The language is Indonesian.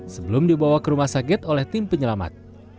sebelum dibawa ke rumah sakit oleh tim penyelamat